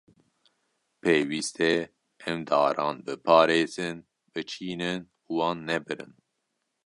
Pêwîst e em daran biparêzin, biçînin û wan nebirin.